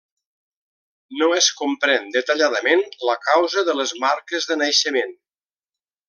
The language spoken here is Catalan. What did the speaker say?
No es comprèn detalladament la causa de les marques de naixement.